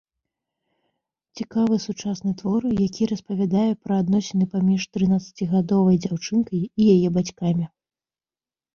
Цікавы сучасны твор, які распавядае пра адносіны паміж трынаццацігадовай дзяўчынкай і яе бацькамі.